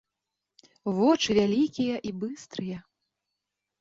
Вочы вялікія і быстрыя.